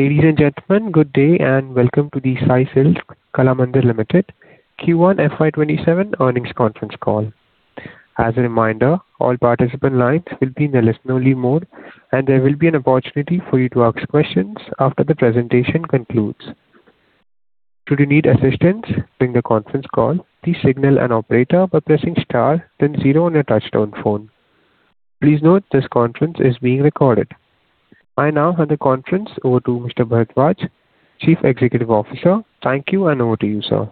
Ladies and gentlemen, good day and welcome to the Sai Silks Kalamandir Limited Q1 FY 2027 earnings conference call. As a reminder, all participant lines will be in listen only mode, and there will be an opportunity for you to ask questions after the presentation concludes. Should you need assistance during the conference call, please signal an operator by pressing star then zero on your touchtone phone. Please note this conference is being recorded. I now hand the conference over to Mr. Bharadwaj, Chief Executive Officer. Thank you. Over to you, sir.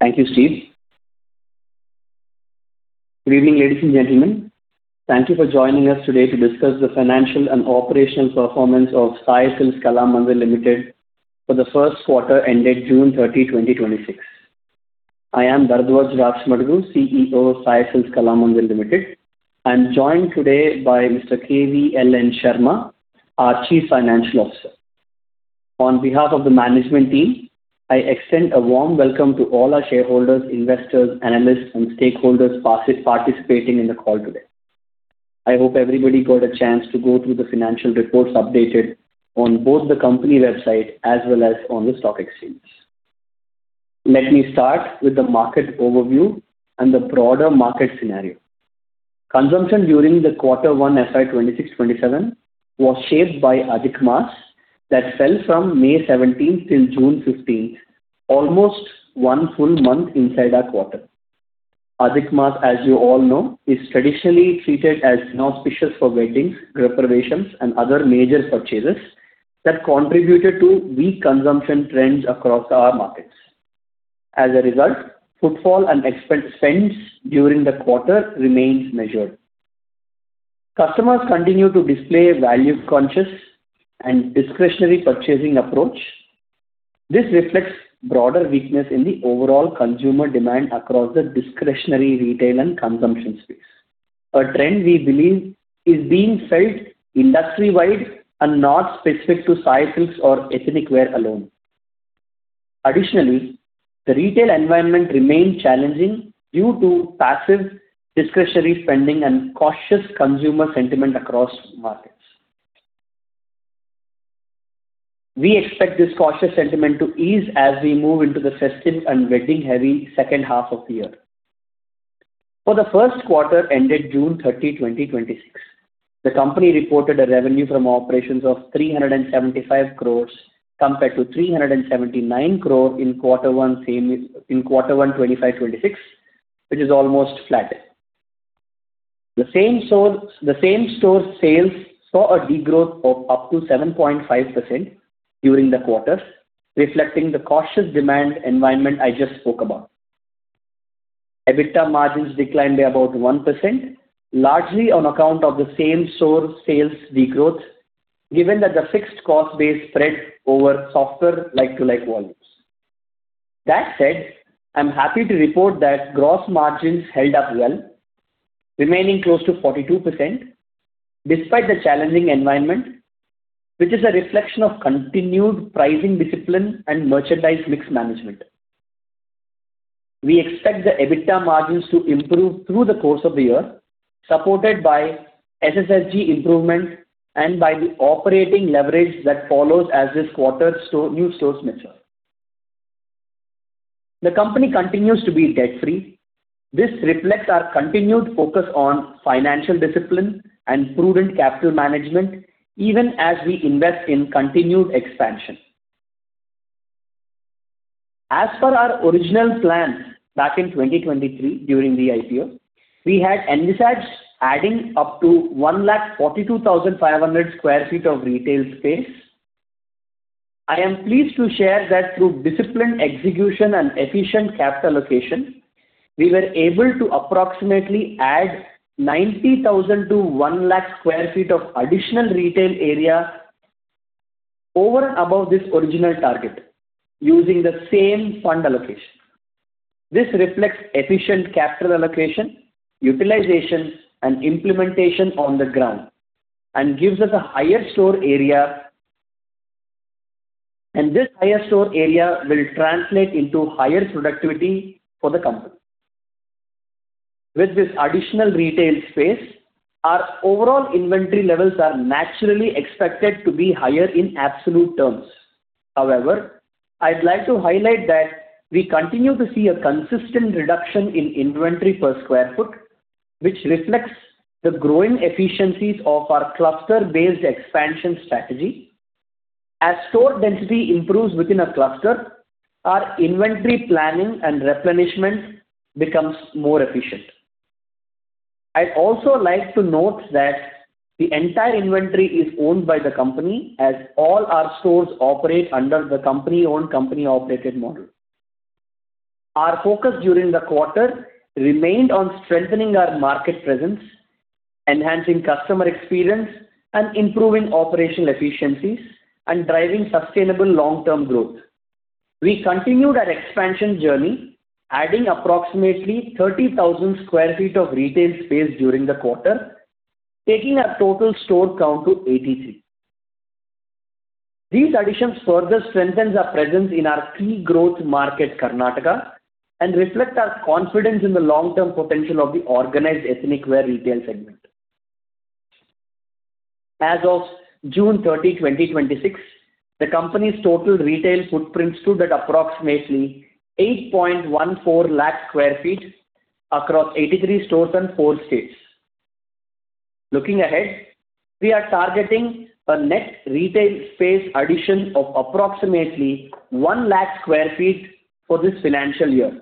Thank you, Steve. Good evening, ladies and gentlemen. Thank you for joining us today to discuss the financial and operational performance of Sai Silks Kalamandir Limited for the first quarter ended June 30, 2026. I am Bharadwaj Rachamadugu, CEO of Sai Silks Kalamandir Limited. I am joined today by Mr. K.V.L.N. Sarma, our Chief Financial Officer. On behalf of the management team, I extend a warm welcome to all our shareholders, investors, analysts, and stakeholders participating in the call today. I hope everybody got a chance to go through the financial reports updated on both the company website as well as on the stock exchange. Let me start with the market overview and the broader market scenario. Consumption during the quarter one FY 2026/2027 was shaped by Adhik Maasam that fell from May 17th till June 15th, almost one full month inside our quarter. Adhik Maasam, as you all know, is traditionally treated as inauspicious for weddings, house reparations, and other major purchases that contributed to weak consumption trends across our markets. As a result, footfall and spends during the quarter remains measured. Customers continue to display value conscious and discretionary purchasing approach. This reflects broader weakness in the overall consumer demand across the discretionary retail and consumption space. A trend we believe is being felt industry-wide and not specific to Sai Silks or ethnic wear alone. Additionally, the retail environment remained challenging due to passive discretionary spending and cautious consumer sentiment across markets. We expect this cautious sentiment to ease as we move into the festive and wedding-heavy second half of the year. For the first quarter ended June 30, 2026, the company reported a revenue from operations of 375 crore compared to 379 crore in quarter one 2025/2026, which is almost flat. The same-store sales saw a degrowth of up to 7.5% during the quarter, reflecting the cautious demand environment I just spoke about. EBITDA margins declined by about 1%, largely on account of the same-store sales degrowth, given that the fixed cost base spread over softer like-to-like volumes. That said, I am happy to report that gross margins held up well, remaining close to 42%, despite the challenging environment, which is a reflection of continued pricing discipline and merchandise mix management. We expect the EBITDA margins to improve through the course of the year, supported by SSSG improvement and by the operating leverage that follows as this quarter's new stores mature. The company continues to be debt-free. This reflects our continued focus on financial discipline and prudent capital management even as we invest in continued expansion. As per our original plan back in 2023 during the IPO, we had envisaged adding up to 1 lakh 42,500 sq ft of retail space. I am pleased to share that through disciplined execution and efficient capital allocation, we were able to approximately add 90,000-100,000 sq ft of additional retail area over and above this original target using the same fund allocation. This reflects efficient capital allocation, utilization, and implementation on the ground and gives us a higher store area. This higher store area will translate into higher productivity for the company. With this additional retail space, our overall inventory levels are naturally expected to be higher in absolute terms. However, I'd like to highlight that we continue to see a consistent reduction in inventory per square foot, which reflects the growing efficiencies of our cluster-based expansion strategy. As store density improves within a cluster, our inventory planning and replenishment becomes more efficient. I'd also like to note that the entire inventory is owned by the company as all our stores operate under the company-owned company-operated model. Our focus during the quarter remained on strengthening our market presence, enhancing customer experience, and improving operational efficiencies and driving sustainable long-term growth. We continued our expansion journey, adding approximately 30,000 sq ft of retail space during the quarter, taking our total store count to 83. These additions further strengthen our presence in our key growth market, Karnataka, and reflect our confidence in the long-term potential of the organized ethnic wear retail segment. As of June 30, 2026, the company's total retail footprint stood at approximately 8.14 lakh sq ft across 83 stores in four states. Looking ahead, we are targeting a net retail space addition of approximately 1 lakh sq ft for this financial year.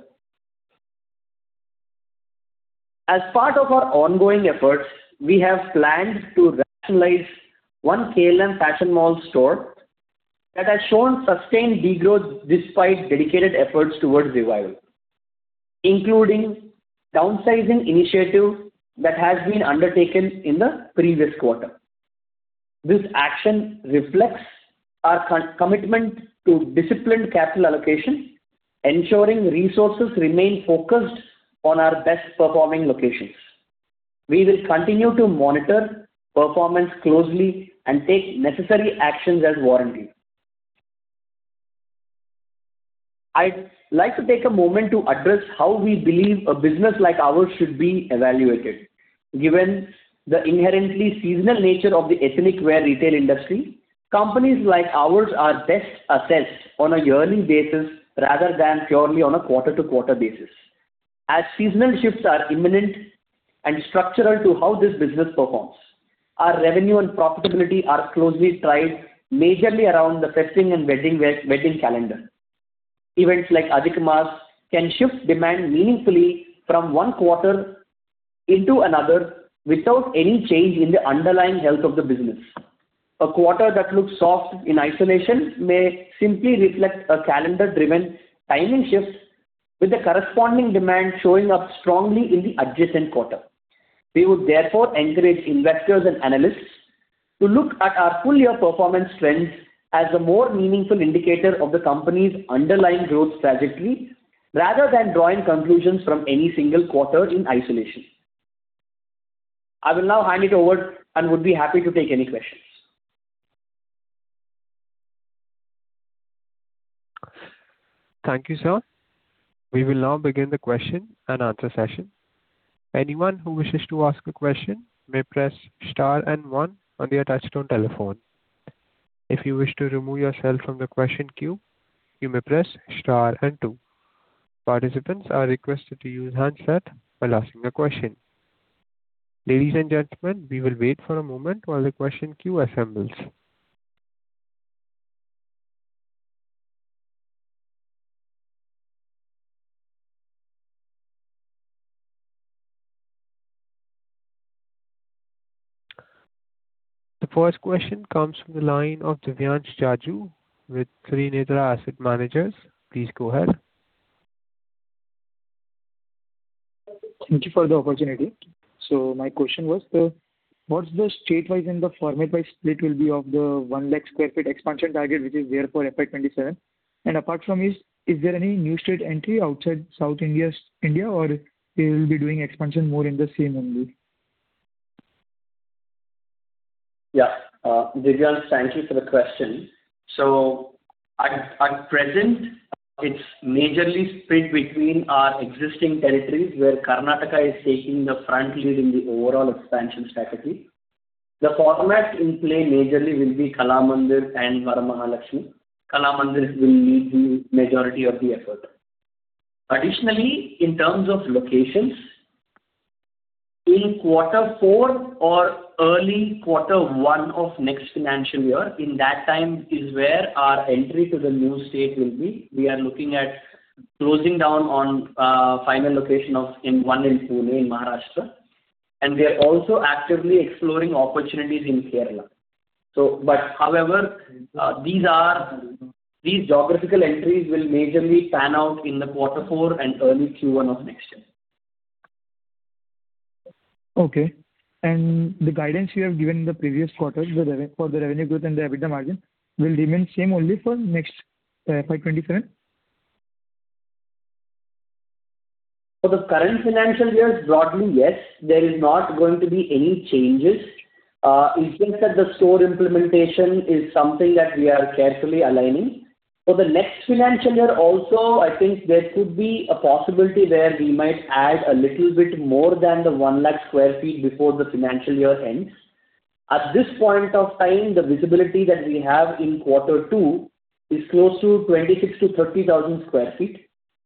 As part of our ongoing efforts, we have planned to rationalize one KLM Fashion Mall store that has shown sustained de-growth despite dedicated efforts towards revival, including a downsizing initiative that has been undertaken in the previous quarter. This action reflects our commitment to disciplined capital allocation, ensuring resources remain focused on our best-performing locations. We will continue to monitor performance closely and take necessary actions as warranted. I'd like to take a moment to address how we believe a business like ours should be evaluated. Given the inherently seasonal nature of the ethnic wear retail industry, companies like ours are best assessed on a yearly basis rather than purely on a quarter-to-quarter basis, as seasonal shifts are imminent and structural to how this business performs. Our revenue and profitability are closely tied majorly around the festing and wedding calendar. Events like Adhik Maasam can shift demand meaningfully from one quarter into another without any change in the underlying health of the business. A quarter that looks soft in isolation may simply reflect a calendar-driven timing shift with the corresponding demand showing up strongly in the adjacent quarter. We would therefore encourage investors and analysts to look at our full-year performance trends as a more meaningful indicator of the company's underlying growth trajectory, rather than drawing conclusions from any single quarter in isolation. I will now hand it over and would be happy to take any questions. Thank you, sir. We will now begin the question and answer session. Anyone who wishes to ask a question may press star and one on the attached telephone. If you wish to remove yourself from the question queue, you may press star and two. Participants are requested to use handset while asking the question. Ladies and gentlemen, we will wait for a moment while the question queue assembles. The first question comes from the line of Divyansh Jaju with Trinetra Asset Managers. Please go ahead. Thank you for the opportunity. My question was, what's the statewise and the format by split will be of the 1 lakh sq ft expansion target, which is there for FY 2027, apart from this, is there any new state entry outside South India, we will be doing expansion more in the same only? Divyansh, thank you for the question. At present, it's majorly split between our existing territories where Karnataka is taking the front lead in the overall expansion strategy. The format in play majorly will be Kalamandir and Varamahalakshmi. Kalamandir will lead the majority of the effort. Additionally, in terms of locations, in quarter four or early quarter one of next financial year, in that time is where our entry to the new state will be. We are looking at closing down on final location of M1 in Pune, in Maharashtra, we are also actively exploring opportunities in Kerala. However, these geographical entries will majorly pan out in the quarter four and early Q1 of next year. Okay. The guidance you have given in the previous quarter for the revenue growth and the EBITDA margin will remain same only for next FY 2027? For the current financial year, broadly, yes. There is not going to be any changes. In things like the store implementation is something that we are carefully aligning. For the next financial year also, I think there could be a possibility where we might add a little bit more than the 1 lakh sq ft before the financial year ends. At this point of time, the visibility that we have in quarter two is close to 26,000-30,000 sq ft.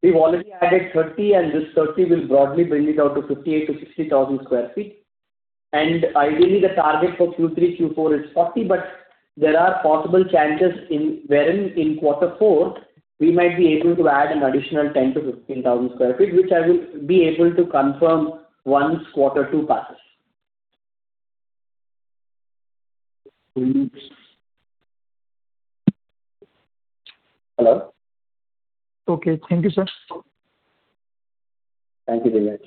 We've already added 30, and this 30 will broadly bring it out to 58,000-60,000 sq ft. Ideally, the target for Q3, Q4 is 40, but there are possible chances wherein in quarter four, we might be able to add an additional 10,000-15,000 sq ft, which I will be able to confirm once quarter two passes. Hello? Okay. Thank you, sir. Thank you, Divyansh.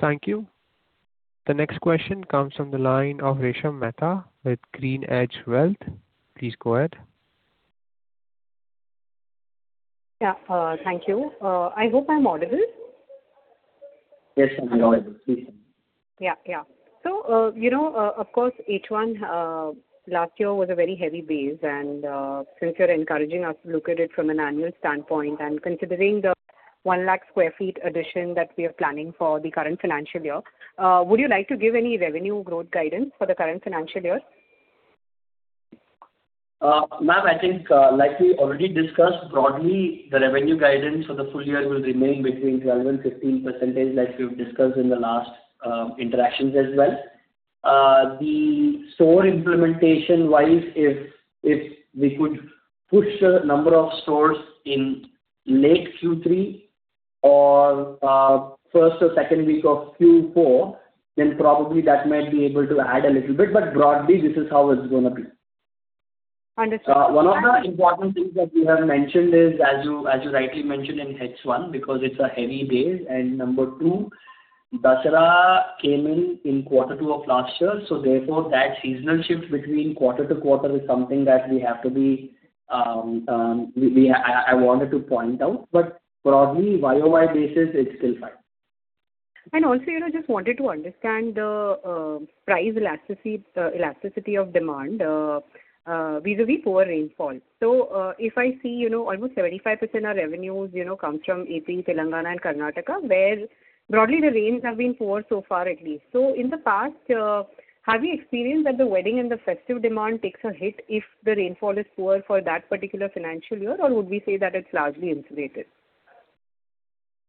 Thank you. The next question comes from the line of Resha Mehta with GreenEdge Wealth. Please go ahead. Thank you. I hope I'm audible. Yes, ma'am, you're audible. Please go on. Of course, H1 last year was a very heavy base, and since you're encouraging us to look at it from an annual standpoint and considering the 1 lakh sq ft addition that we are planning for the current financial year, would you like to give any revenue growth guidance for the current financial year? Ma'am, I think like we already discussed, broadly, the revenue guidance for the full year will remain between 12% and 15%, like we've discussed in the last interactions as well. The store implementation-wise, if we could push a number of stores in late Q3 or first or second week of Q4, then probably that might be able to add a little bit. Broadly, this is how it's going to be. Understood. One of the important things that you have mentioned is, as you rightly mentioned, in H1 because it's a heavy base and number two, Dussehra came in in quarter two of last year, therefore that seasonal shift between quarter to quarter is something that I wanted to point out. Broadly, YoY basis, it's still fine. Also, I just wanted to understand the price elasticity of demand vis-a-vis poor rainfall. If I see, almost 75% of revenues come from AP, Telangana, and Karnataka, where broadly the rains have been poor so far at least. In the past, have you experienced that the wedding and the festive demand takes a hit if the rainfall is poor for that particular financial year, or would we say that it's largely insulated?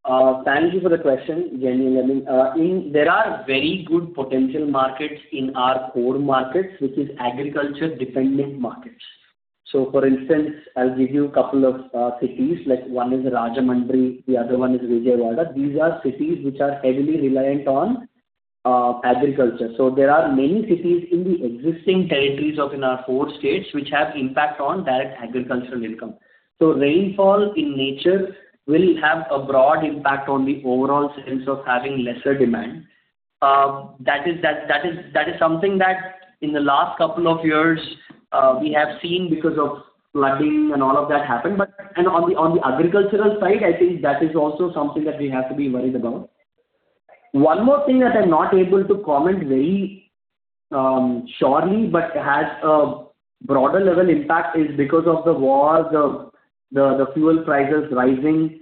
Thank you for the question, Resha. There are very good potential markets in our core markets, which is agriculture-dependent markets. For instance, I'll give you a couple of cities. One is Rajahmundry, the other one is Vijayawada. These are cities which are heavily reliant on agriculture. There are many cities in the existing territories of in our four states, which have impact on direct agricultural income. Rainfall in nature will have a broad impact on the overall sense of having lesser demand. That is something that in the last couple of years, we have seen because of flooding and all of that happen. On the agricultural side, I think that is also something that we have to be worried about. One more thing that I'm not able to comment very surely, but has a broader level impact is because of the war, the fuel prices rising.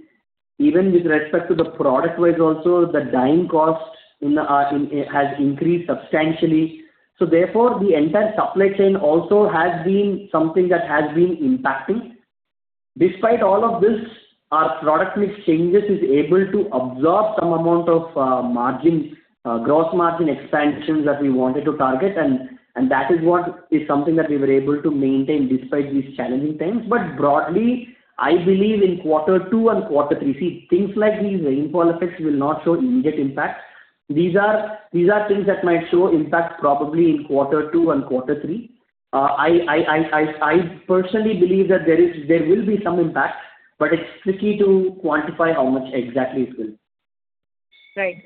Even with respect to the product-wise also, the dyeing cost has increased substantially. Therefore, the entire supply chain also has been something that has been impacting. Despite all of this, our product mix changes is able to absorb some amount of gross margin expansions that we wanted to target, and that is something that we were able to maintain despite these challenging times. Broadly, I believe in quarter two and quarter three. See, things like these rainfall effects will not show immediate impacts. These are things that might show impact probably in quarter two and quarter three. I personally believe that there will be some impact, but it's tricky to quantify how much exactly it will. Right.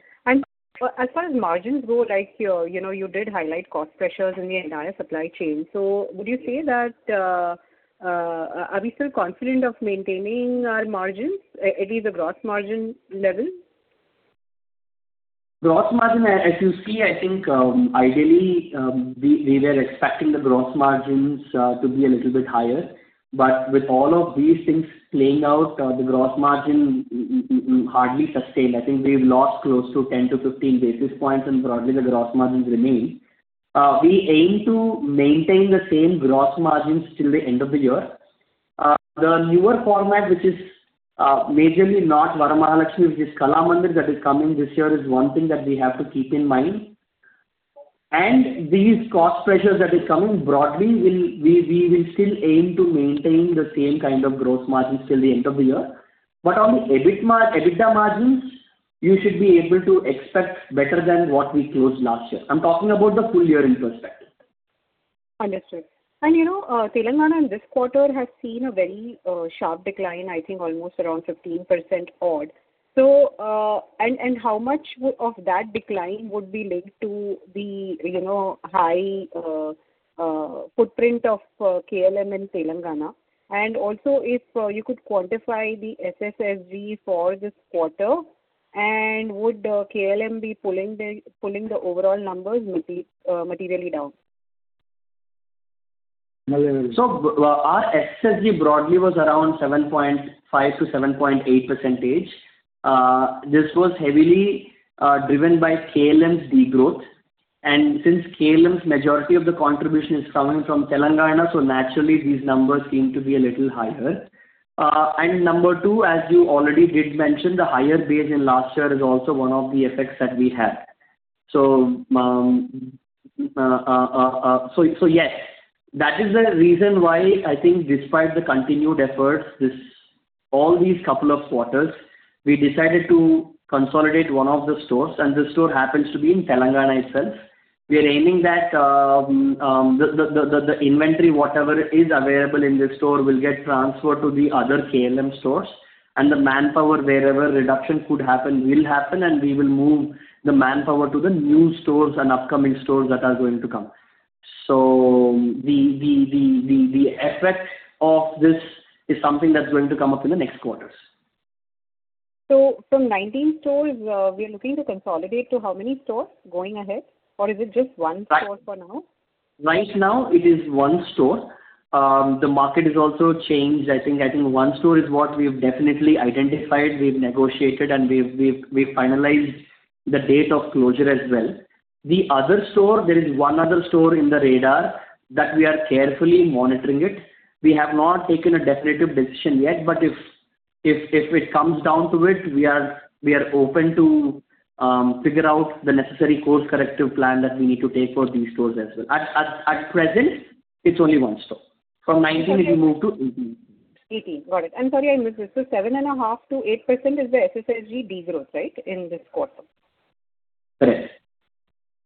As far as margins go, you did highlight cost pressures in the entire supply chain. Would you say that, are we still confident of maintaining our margins, at least the gross margin level? Gross margin, as you see, ideally, we were expecting the gross margins to be a little bit higher. With all of these things playing out, the gross margin hardly sustained. We've lost close to 10-15 basis points and broadly the gross margins remain. We aim to maintain the same gross margins till the end of the year. The newer format, which is majorly not Varamahalakshmi, which is Kalamandir that is coming this year, is one thing that we have to keep in mind. These cost pressures that is coming broadly, we will still aim to maintain the same kind of gross margins till the end of the year. On the EBITDA margins, you should be able to expect better than what we closed last year. I'm talking about the full year in perspective. Understood. Telangana in this quarter has seen a very sharp decline, almost around 15% odd. How much of that decline would be linked to the high footprint of KLM in Telangana? If you could quantify the SSSG for this quarter, would KLM be pulling the overall numbers materially down? Our SSG broadly was around 7.5%-7.8%. This was heavily driven by KLM's degrowth. Since KLM's majority of the contribution is coming from Telangana, these numbers seem to be a little higher. Number two, as you already did mention, the higher base in last year is also one of the effects that we had. Yes. That is the reason why despite the continued efforts, all these couple of quarters, we decided to consolidate one of the stores, and the store happens to be in Telangana itself. We are aiming that the inventory, whatever is available in this store, will get transferred to the other KLM stores, and the manpower, wherever reductions could happen, will happen, and we will move the manpower to the new stores and upcoming stores that are going to come. The effect of this is something that's going to come up in the next quarters. From 19 stores, we are looking to consolidate to how many stores going ahead? Or is it just one store for now? Right now it is one store. The market is also changed. I think one store is what we've definitely identified, we've negotiated, and we've finalized the date of closure as well. The other store, there is one other store in the radar that we are carefully monitoring it. We have not taken a definitive decision yet. If it comes down to it, we are open to figure out the necessary course corrective plan that we need to take for these stores as well. At present, it's only one store. From 19 it will move to 18. 18. Got it. I'm sorry, I missed this. 7.5%-8% is the SSSG de-growth, right, in this quarter? Correct.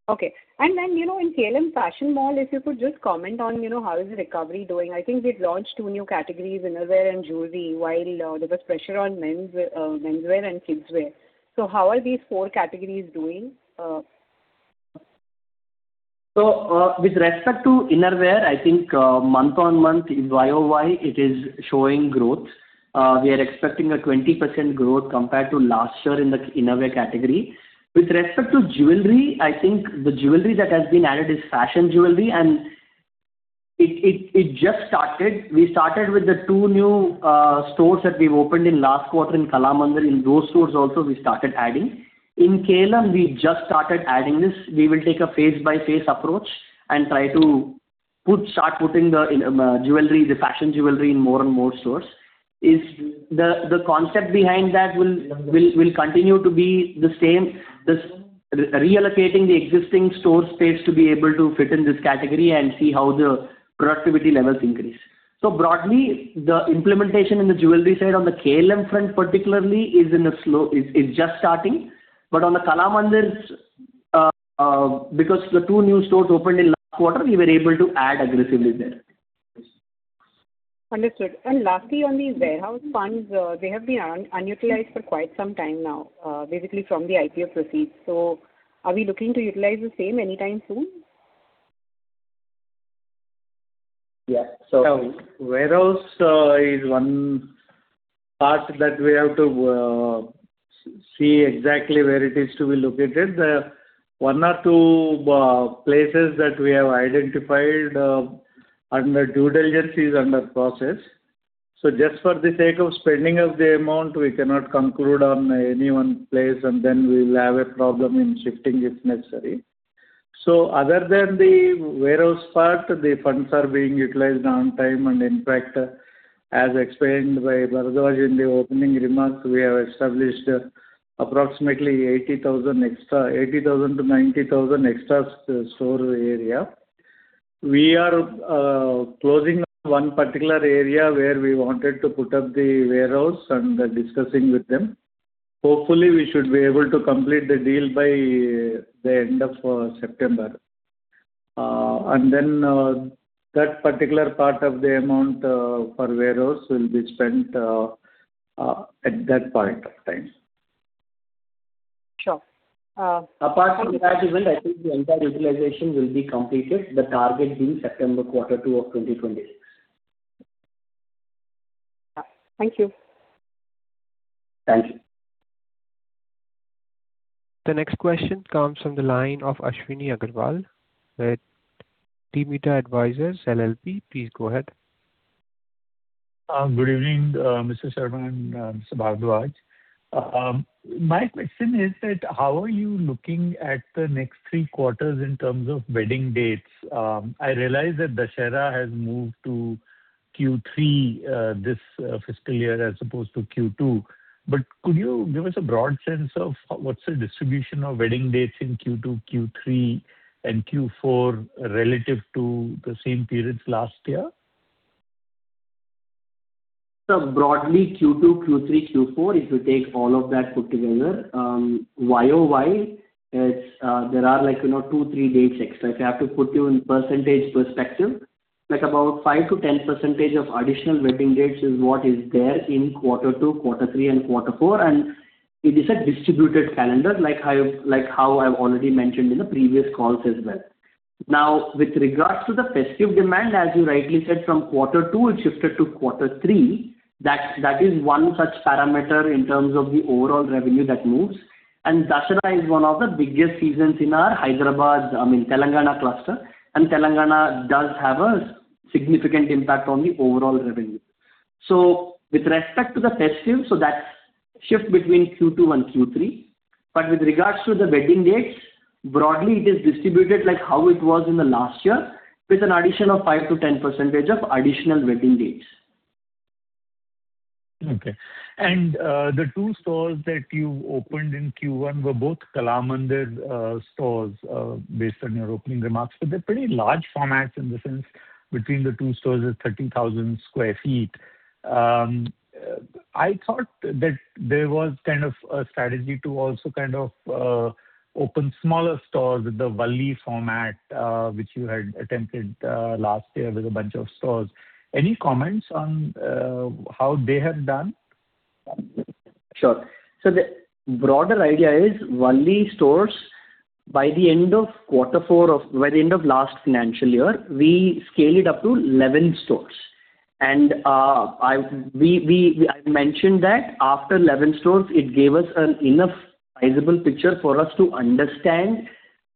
Okay. In KLM Fashion Mall, if you could just comment on how is the recovery doing? I think we had launched two new categories, innerwear and jewelry, while there was pressure on menswear and kidswear. How are these four categories doing? With respect to innerwear, I think month on month, YoY, it is showing growth. We are expecting a 20% growth compared to last year in the innerwear category. With respect to jewelry, I think the jewelry that has been added is fashion jewelry, and it just started. We started with the two new stores that we've opened in last quarter in Kalamandir. In those stores also, we started adding. In KLM, we just started adding this. We will take a phase by phase approach and try to start putting the fashion jewelry in more and more stores. The concept behind that will continue to be the same, this reallocating the existing store space to be able to fit in this category and see how the productivity levels increase. Broadly, the implementation in the jewelry side on the KLM front particularly is just starting, but on the Kalamandir's, because the two new stores opened in last quarter, we were able to add aggressively there. Understood. Lastly, on the warehouse funds, they have been unutilized for quite some time now, basically from the IPO proceeds. Are we looking to utilize the same anytime soon? Yeah. Warehouse is one part that we have to see exactly where it is to be located. There are one or two places that we have identified. The due diligence is under process. Just for the sake of spending of the amount, we cannot conclude on any one place, and then we'll have a problem in shifting if necessary. Other than the warehouse part, the funds are being utilized on time. In fact, as explained by Bharadwaj in the opening remarks, we have established approximately 80,000-90,000 extra store area. We are closing one particular area where we wanted to put up the warehouse and are discussing with them. Hopefully, we should be able to complete the deal by the end of September. Then, that particular part of the amount for warehouse will be spent at that point of time. Sure. Apart from that, I think the entire utilization will be completed, the target being September quarter 2 of 2026. Thank you. Thank you. The next question comes from the line of Ashwini Agarwal with Demeter Advisors LLP. Please go ahead. Good evening, Mr. Sarma, Mr. Bharadwaj. My question is that, how are you looking at the next three quarters in terms of wedding dates? I realize that Dussehra has moved to Q3 this fiscal year as opposed to Q2. Could you give us a broad sense of what's the distribution of wedding dates in Q2, Q3, and Q4 relative to the same periods last year? Broadly, Q2, Q3, Q4, if you take all of that put together, YoY, there are two, three dates extra. If I have to put you in percentage perspective, about 5%-10% of additional wedding dates is what is there in quarter two, quarter three, and quarter four. It is a distributed calendar, like how I've already mentioned in the previous calls as well. Now, with regards to the festive demand, as you rightly said, from quarter two it shifted to quarter three. That is one such parameter in terms of the overall revenue that moves. Dussehra is one of the biggest seasons in our Telangana cluster, and Telangana does have a significant impact on the overall revenue. With respect to the festive, that shift is between Q2 and Q3. With regards to the wedding dates, broadly it is distributed like how it was in the last year, with an addition of 5%-10% of additional wedding dates. Okay. The two stores that you opened in Q1 were both Kalamandir stores, based on your opening remarks. They're pretty large formats in the sense between the two stores is 13,000 sq ft. I thought that there was kind of a strategy to also kind of open smaller stores with the Valli format, which you had attempted last year with a bunch of stores. Any comments on how they have done? Sure. The broader idea is Valli stores, by the end of last financial year, we scaled it up to 11 stores. I mentioned that after 11 stores, it gave us an enough sizable picture for us to understand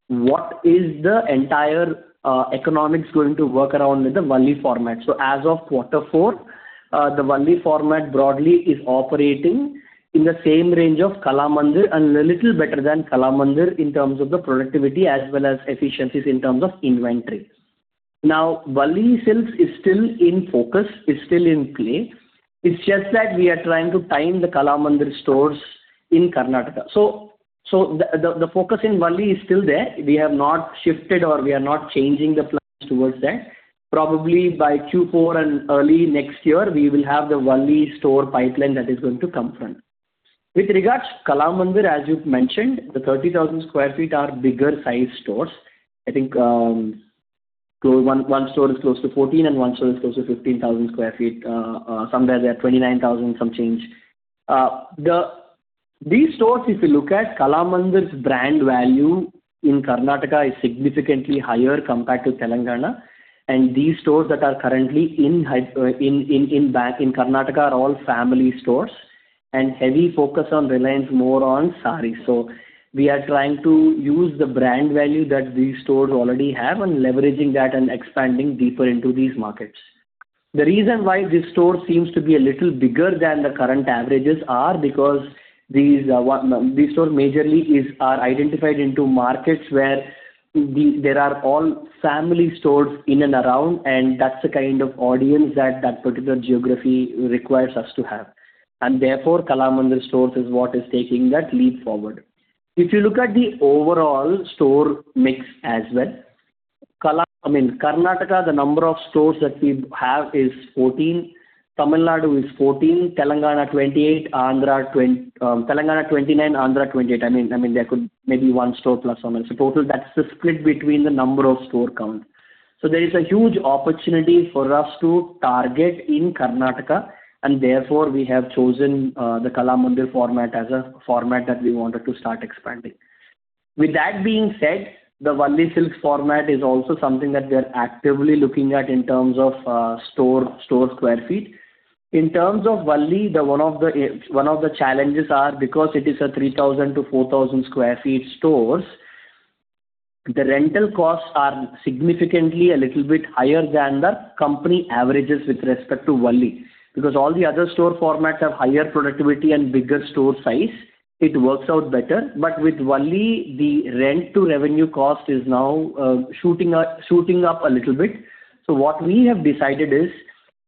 what is the entire economics going to work around with the Valli format. As of quarter four, the Valli format broadly is operating in the same range of Kalamandir, and a little better than Kalamandir in terms of the productivity as well as efficiencies in terms of inventory. Now, Valli Silks is still in focus, is still in play. It's just that we are trying to time the Kalamandir stores in Karnataka. The focus in Valli is still there. We have not shifted, or we are not changing the plans towards that. Probably by Q4 and early next year, we will have the Valli store pipeline that is going to come from. With regards to Kalamandir, as you've mentioned, the 30,000 sq ft are bigger sized stores. I think one store is close to 14 and one store is close to 15,000 sq ft. Somewhere there, 29,000, some change. These stores, if you look at Kalamandir's brand value in Karnataka, is significantly higher compared to Telangana, and these stores that are currently in Karnataka are all family stores and heavy focus on reliance more on sarees. We are trying to use the brand value that these stores already have and leveraging that and expanding deeper into these markets. The reason why this store seems to be a little bigger than the current averages are because these stores majorly are identified into markets where there are all family stores in and around, and that's the kind of audience that that particular geography requires us to have. Therefore, Kalamandir stores is what is taking that leap forward. If you look at the overall store mix as well, Karnataka, the number of stores that we have is 14. Tamil Nadu is 14, Telangana 29, Andhra 28. There could maybe one store plus or minus. Total, that's the split between the number of store count. There is a huge opportunity for us to target in Karnataka, and therefore, we have chosen the Kalamandir format as a format that we wanted to start expanding. With that being said, the Valli Silks format is also something that we're actively looking at in terms of store sq ft. In terms of Valli, one of the challenges are because it is a 3,000-4,000 sq ft stores, the rental costs are significantly a little bit higher than the company averages with respect to Valli. Because all the other store formats have higher productivity and bigger store size, it works out better. But with Valli, the rent-to-revenue cost is now shooting up a little bit. What we have decided is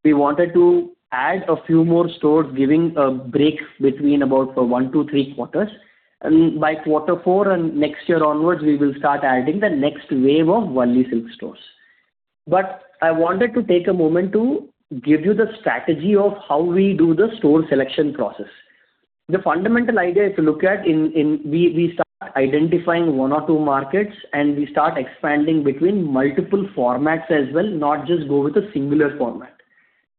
we wanted to add a few more stores, giving a break between about one to three quarters, and by quarter four and next year onwards, we will start adding the next wave of Valli Silks stores. But I wanted to take a moment to give you the strategy of how we do the store selection process. The fundamental idea, if you look at, we start identifying one or two markets, we start expanding between multiple formats as well, not just go with a singular format.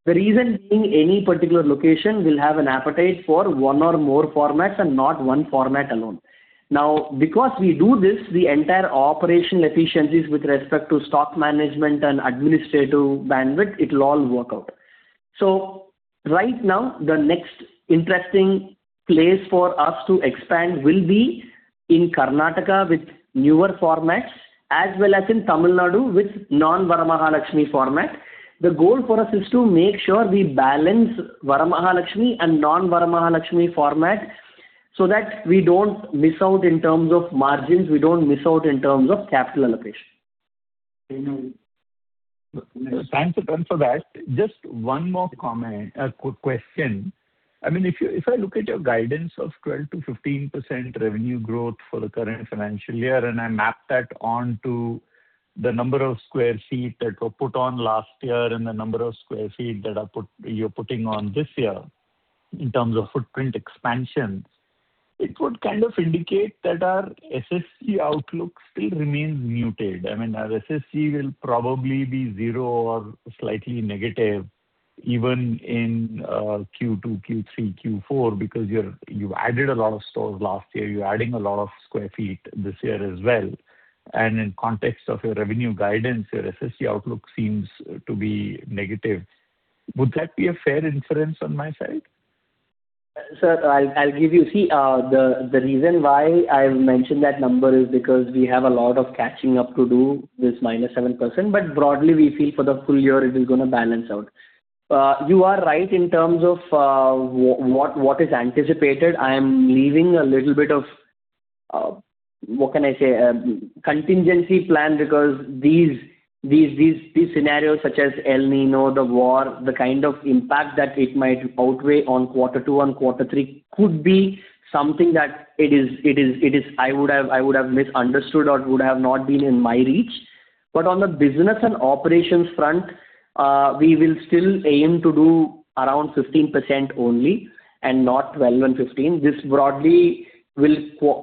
The reason being, any particular location will have an appetite for one or more formats and not one format alone. Because we do this, the entire operation efficiencies with respect to stock management and administrative bandwidth, it'll all work out. Right now, the next interesting place for us to expand will be in Karnataka with newer formats, as well as in Tamil Nadu with non-Vara Mahalakshmi format. The goal for us is to make sure we balance Vara Mahalakshmi and non-Vara Mahalakshmi formats so that we don't miss out in terms of margins, we don't miss out in terms of capital allocation. Thanks, Bharadwaj, for that. Just one more question. If I look at your guidance of 12%-15% revenue growth for the current financial year, I map that onto the number of sq ft that were put on last year and the number of sq ft that you're putting on this year, in terms of footprint expansions, it would kind of indicate that our SSSG outlook still remains muted. Our SSSG will probably be zero or slightly negative even in Q2, Q3, Q4, because you've added a lot of stores last year, you're adding a lot of sq ft this year as well. In context of your revenue guidance, your SSSG outlook seems to be negative. Would that be a fair inference on my side? Sir, the reason why I mentioned that number is because we have a lot of catching up to do with -7%, broadly, we feel for the full year it is going to balance out. You are right in terms of what is anticipated. I am leaving a little bit of, what can I say, contingency plan because these scenarios such as El Niño, the war, the kind of impact that it might outweigh on quarter two and quarter three could be something that I would have misunderstood or would have not been in my reach. On the business and operations front, we will still aim to do around 15% only and not 12 and 15. This broadly will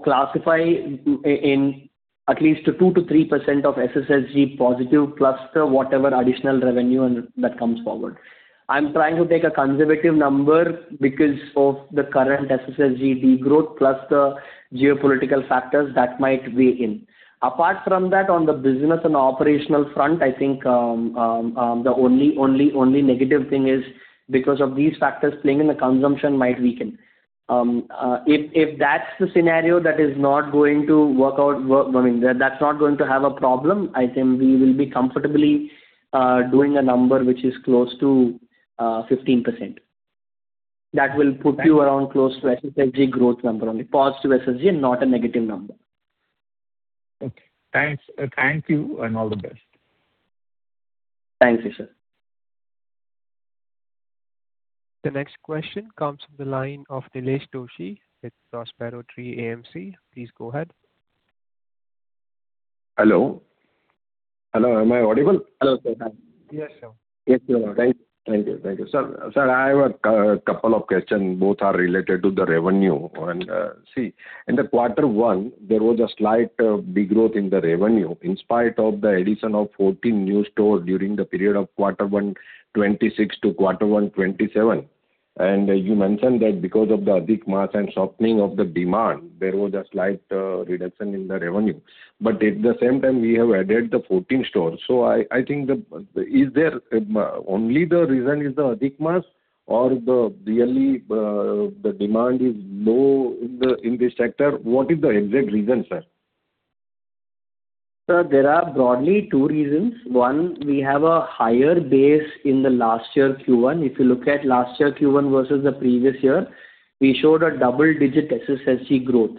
classify in at least a 2%-3% of SSSG positive plus whatever additional revenue that comes forward. I'm trying to take a conservative number because of the current SSSG degrowth plus the geopolitical factors that might weigh in. Apart from that, on the business and operational front, I think the only negative thing is because of these factors playing in the consumption might weaken. If that's the scenario, that's not going to have a problem. I think we will be comfortably doing a number which is close to 15%. That will put you around close to SSSG growth number. Only positive SSG and not a negative number. Okay. Thank you, all the best. Thank you, sir. The next question comes from the line of Nilesh Doshi with Prospero Tree AMC. Please go ahead. Hello. Hello, am I audible? Hello, sir. Yes, sir. Yes. Thank you. Sir, I have a couple of questions. Both are related to the revenue. See, in the quarter one, there was a slight degrowth in the revenue in spite of the addition of 14 new stores during the period of quarter 1, 2026 to quarter 1, 2027. You mentioned that because of the Adhik Maas and softening of the demand, there was a slight reduction in the revenue. At the same time, we have added the 14 stores. I think only the reason is the Adhik Maas or really the demand is low in this sector? What is the exact reason, sir? Sir, there are broadly two reasons. One, we have a higher base in the last year Q1. If you look at last year Q1 versus the previous year, we showed a double-digit SSSG growth.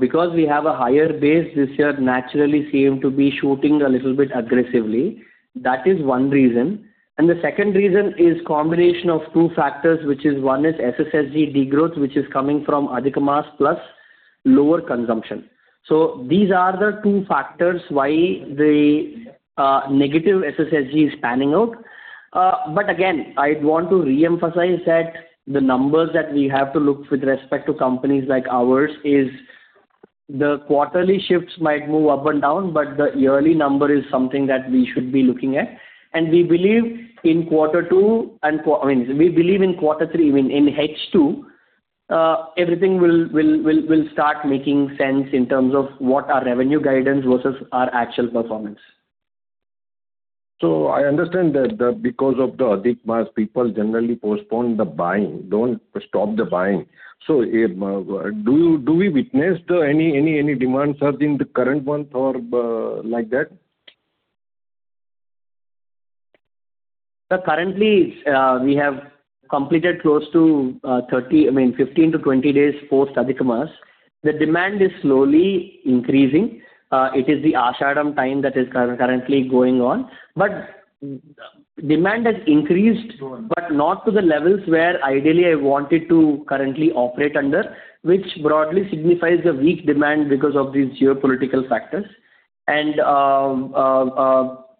Because we have a higher base this year, naturally seem to be shooting a little bit aggressively. That is one reason. The second reason is combination of two factors, which is one is SSSG degrowth, which is coming from Adhik Maas plus lower consumption. These are the two factors why the negative SSSG is panning out. Again, I'd want to reemphasize that the numbers that we have to look with respect to companies like ours is the quarterly shifts might move up and down, but the yearly number is something that we should be looking at. We believe in quarter three, in H2 everything will start making sense in terms of what our revenue guidance versus our actual performance. I understand that because of the Adhik Maas, people generally postpone the buying, don't stop the buying. Do we witness any demand surge in the current month or like that? Sir, currently, we have completed close to 15-20 days post Adhik Maas. The demand is slowly increasing. It is the Ashada time that is currently going on. Demand has increased, but not to the levels where ideally I wanted to currently operate under, which broadly signifies the weak demand because of these geopolitical factors.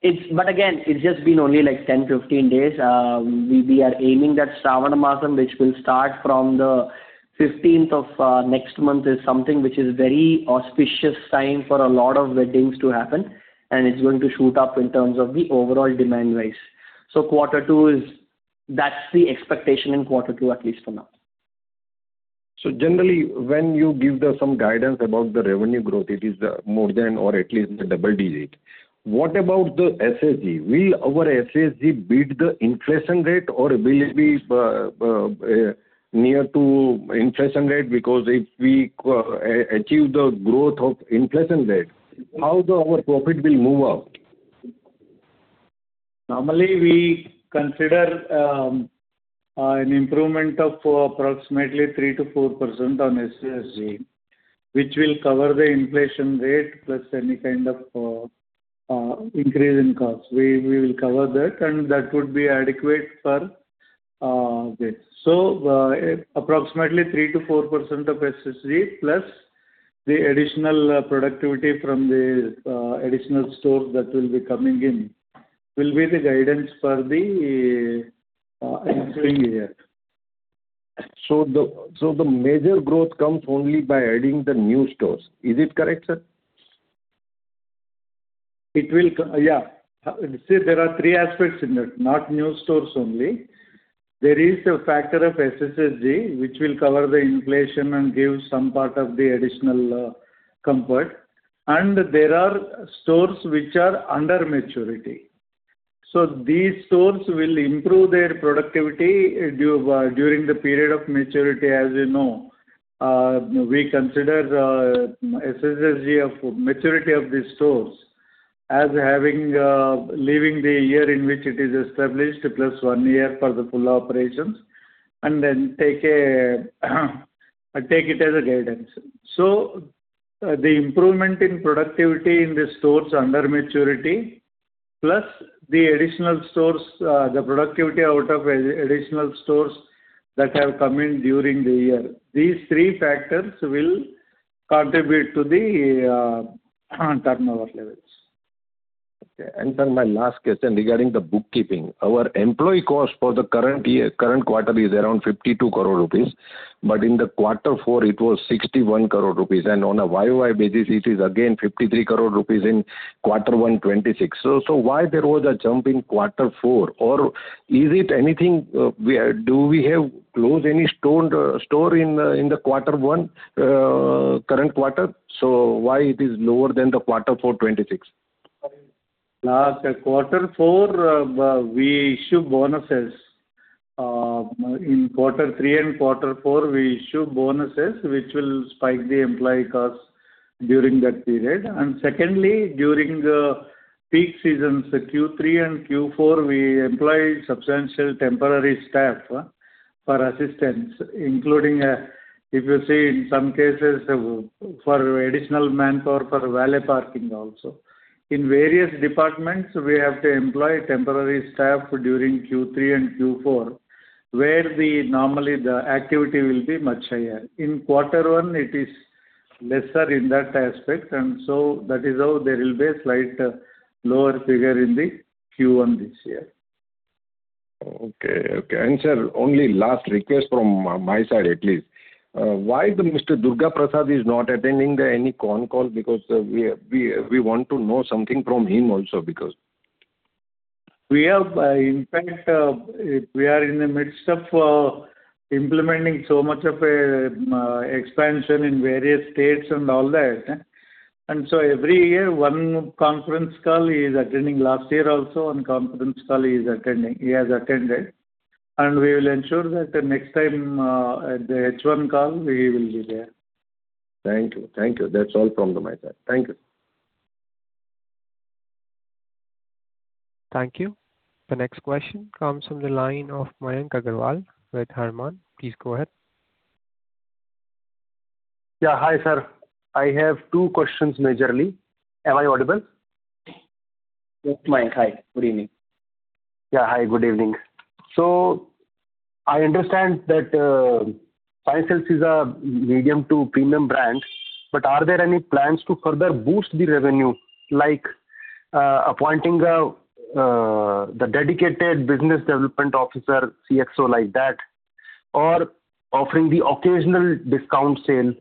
Again, it's just been only 10-15 days. We are aiming that Shravana Masam, which will start from the 15th of next month, is something which is very auspicious time for a lot of weddings to happen, and it's going to shoot up in terms of the overall demand rise. That's the expectation in quarter two, at least for now. When you give some guidance about the revenue growth, it is more than or at least the double-digit. What about the SSG? Will our SSG beat the inflation rate or will it be near to inflation rate? Because if we achieve the growth of inflation rate, how our profit will move up? Normally, we consider an improvement of approximately 3%-4% on SSG, which will cover the inflation rate plus any kind of increase in cost. We will cover that, and that would be adequate for this. Approximately 3%-4% of SSG, plus the additional productivity from the additional stores that will be coming in will be the guidance for the ensuing year. The major growth comes only by adding the new stores. Is it correct, sir? Yeah. See, there are three aspects in it, not new stores only. There is a factor of SSG, which will cover the inflation and give some part of the additional comfort. There are stores which are under maturity. These stores will improve their productivity during the period of maturity. As you know, we consider SSG of maturity of these stores as leaving the year in which it is established, plus one year for the full operations, and then take it as a guidance. The improvement in productivity in the stores under maturity, plus the productivity out of additional stores that have come in during the year. These three factors will contribute to the turnover levels. Sir, my last question regarding the bookkeeping. Our employee cost for the current quarter is around 52 crore rupees. In the quarter four, it was 61 crore rupees, on a YoY basis, it is again 53 crore rupees in quarter one, 2026. Why there was a jump in quarter four? Do we close any store in the quarter one, current quarter? Why it is lower than the quarter four 2026? Last quarter four, we issue bonuses. In quarter three and quarter four, we issue bonuses, which will spike the employee cost during that period. Secondly, during the peak seasons, Q3 and Q4, we employ substantial temporary staff for assistance, including, if you see in some cases, for additional manpower for valet parking also. In various departments, we have to employ temporary staff during Q3 and Q4, where normally the activity will be much higher. In quarter one, it is lesser in that aspect. That is how there will be a slight lower figure in the Q1 this year. Okay. Sir, only last request from my side at least. Why Mr. Durga Prasad is not attending any con call? Because we want to know something from him also. In fact, we are in the midst of implementing so much of expansion in various states and all that. Every year, one conference call he is attending. Last year also, one conference call he has attended. We will ensure that the next time, the H1 call, he will be there. Thank you. That's all from my side. Thank you. Thank you. The next question comes from the line of Mayank Aggarwal with Harman. Please go ahead. Yeah. Hi, sir. I have two questions majorly. Am I audible? Yes, Mayank. Hi, good evening. Yeah. Hi, good evening. I understand that Sai Silks is a medium to premium brand, but are there any plans to further boost the revenue, like appointing the dedicated business development officer, CXO like that, or offering the occasional discount sale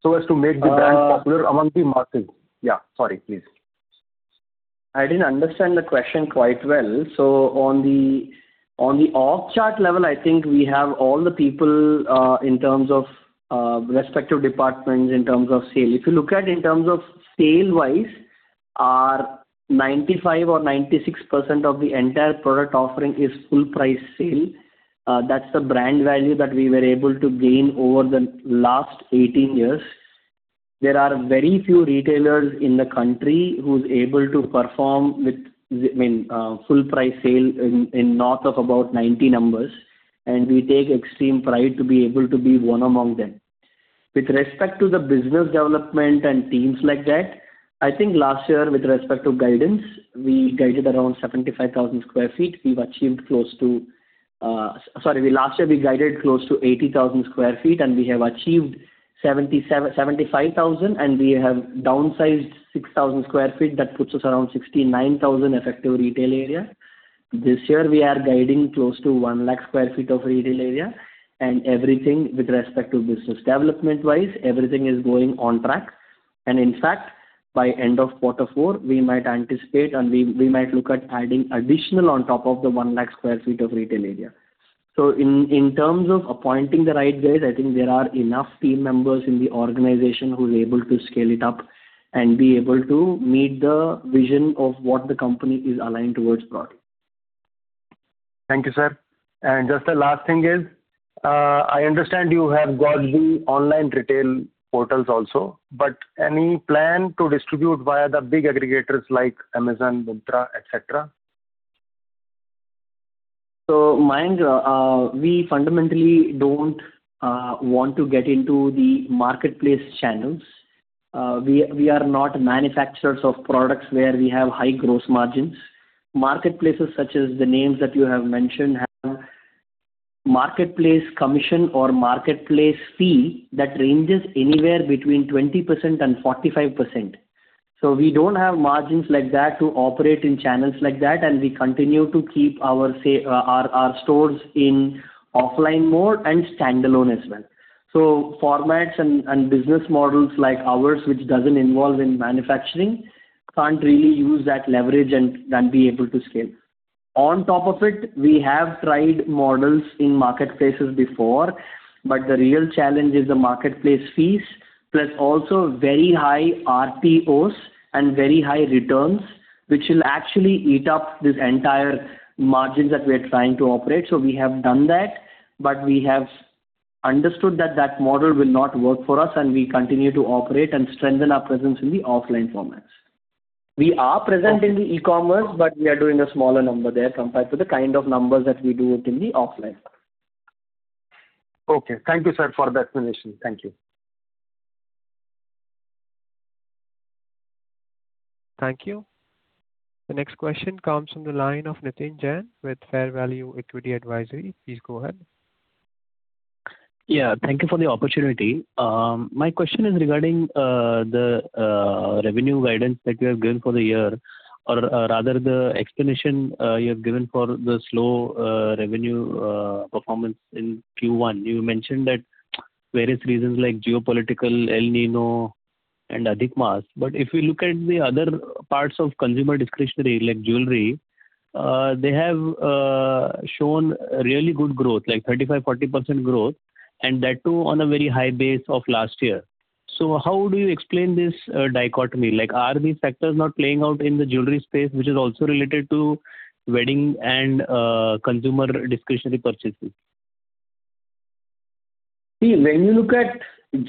so as to make the brand popular among the masses? Yeah, sorry, please. I didn't understand the question quite well. On the off-chart level, I think we have all the people in terms of respective departments, in terms of sale. If you look at in terms of sale-wise, our 95% or 96% of the entire product offering is full price sale. That's the brand value that we were able to gain over the last 18 years. There are very few retailers in the country who's able to perform with full price sale in north of about 90 numbers, and we take extreme pride to be able to be one among them. With respect to the business development and teams like that, I think last year with respect to guidance, we guided around 75,000 sq ft. Last year we guided close to 80,000 sq ft and we have achieved 75,000, and we have downsized 6,000 sq ft. That puts us around 69,000 effective retail area. This year, we are guiding close to 100,000 sq ft of retail area, and everything with respect to business development-wise, everything is going on track. In fact, by end of quarter four, we might anticipate and we might look at adding additional on top of the 100,000 sq ft of retail area. In terms of appointing the right guys, I think there are enough team members in the organization who's able to scale it up and be able to meet the vision of what the company is aligned towards broadly. Thank you, sir. Just the last thing is, I understand you have got the online retail portals also, but any plan to distribute via the big aggregators like Amazon, Myntra, et cetera? Mayank, we fundamentally don't want to get into the marketplace channels. We are not manufacturers of products where we have high gross margins. Marketplaces such as the names that you have mentioned have marketplace commission or marketplace fee that ranges anywhere between 20% and 45%. We don't have margins like that to operate in channels like that, and we continue to keep our stores in offline mode and standalone as well. Formats and business models like ours, which doesn't involve in manufacturing, can't really use that leverage and then be able to scale. On top of it, we have tried models in marketplaces before, but the real challenge is the marketplace fees, plus also very high RPOs and very high returns, which will actually eat up this entire margin that we're trying to operate. We have done that, but we have understood that model will not work for us, and we continue to operate and strengthen our presence in the offline formats. We are present in the e-commerce, but we are doing a smaller number there compared to the kind of numbers that we do within the offline. Thank you, sir, for the explanation. Thank you. Thank you. The next question comes from the line of Nitin Jain with Fair Value Equity Advisory. Please go ahead. Yeah. Thank you for the opportunity. My question is regarding the revenue guidance that you have given for the year, or rather the explanation you have given for the slow revenue performance in Q1. You mentioned that various reasons like geopolitical, El Niño, and Adhik Maas. If we look at the other parts of consumer discretionary, like jewelry, they have shown really good growth, like 35%, 40% growth, and that too on a very high base of last year. How do you explain this dichotomy? Are these factors not playing out in the jewelry space, which is also related to wedding and consumer discretionary purchases? See, when you look at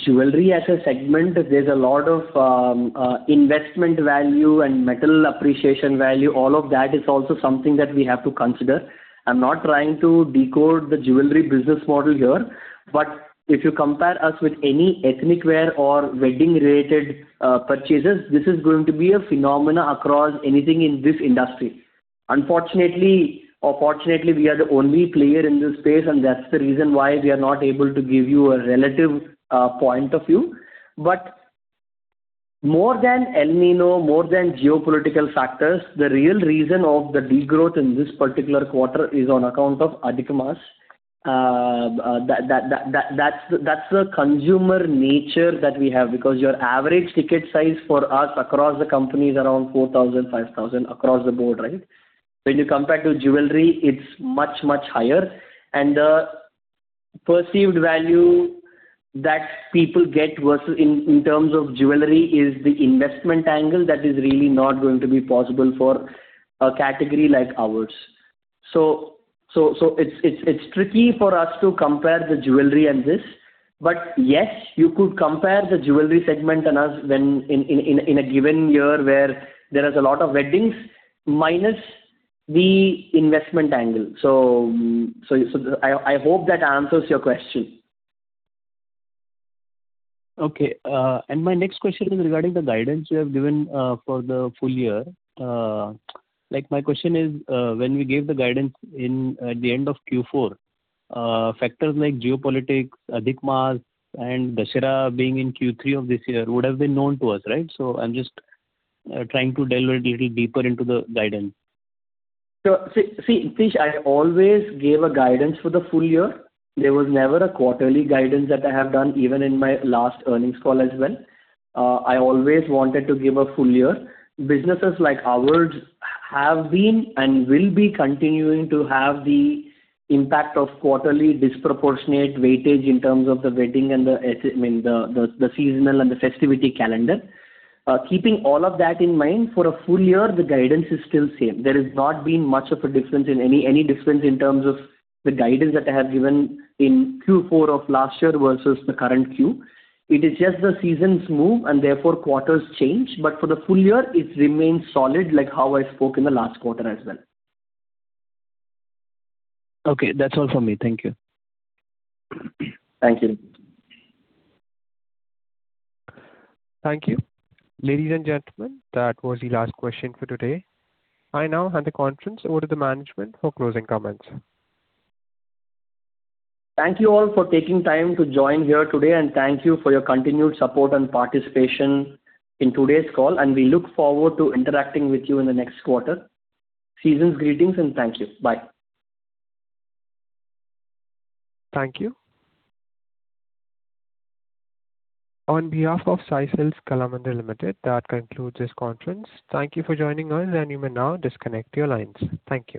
jewelry as a segment, there's a lot of investment value and metal appreciation value. All of that is also something that we have to consider. I'm not trying to decode the jewelry business model here. If you compare us with any ethnic wear or wedding-related purchases, this is going to be a phenomenon across anything in this industry. Unfortunately or fortunately, we are the only player in this space, and that's the reason why we are not able to give you a relative point of view. More than El Niño, more than geopolitical factors, the real reason of the degrowth in this particular quarter is on account of Adhik Maas. That's the consumer nature that we have. Your average ticket size for us across the company is around 4,000, 5,000 across the board, right? When you compare to jewelry, it's much, much higher and the perceived value that people get versus in terms of jewelry is the investment angle that is really not going to be possible for a category like ours. It's tricky for us to compare the jewelry and this. Yes, you could compare the jewelry segment and us when in a given year where there is a lot of weddings minus the investment angle. I hope that answers your question. Okay. My next question is regarding the guidance you have given for the full year. My question is, when we gave the guidance at the end of Q4, factors like geopolitics, Adhik Maas, and Dussehra being in Q3 of this year would have been known to us, right? I'm just trying to delve a little deeper into the guidance. I always gave a guidance for the full year. There was never a quarterly guidance that I have done, even in my last earnings call as well. I always wanted to give a full year. Businesses like ours have been and will be continuing to have the impact of quarterly disproportionate weightage in terms of the wedding and the seasonal and the festivity calendar. Keeping all of that in mind, for a full year, the guidance is still same. There has not been much of a difference in any difference in terms of the guidance that I have given in Q4 of last year versus the current Q. It is just the seasons move and therefore quarters change. But for the full year, it remains solid like how I spoke in the last quarter as well. That's all from me. Thank you. Thank you. Thank you. Ladies and gentlemen, that was the last question for today. I now hand the conference over to the management for closing comments. Thank you all for taking time to join here today, and thank you for your continued support and participation in today's call, and we look forward to interacting with you in the next quarter. Seasons greetings, and thank you. Bye. Thank you. On behalf of Sai Silks Kalamandir Limited, that concludes this conference. Thank you for joining us, and you may now disconnect your lines. Thank you